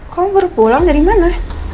kamu baru pulang dari mana